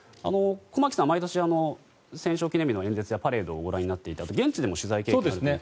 駒木さん、毎年戦勝記念日の演説やパレードをご覧になっていて現地でも取材経験があるということで。